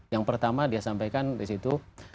yang pertama dia sampaikan di situ